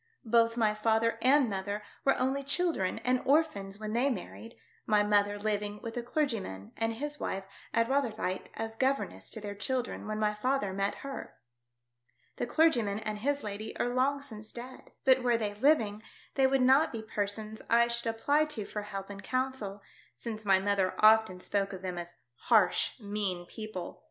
Both my father and mother were only children and orphans when they married, my mother living with a clergyman and his wife at Rotherhithe as governess to their children when my father met her. The clergyman and his lady are long since dead. But were they living, they would not be persons I should apply to for help and counsel, since my mother often spoke of them as harsh, mean people.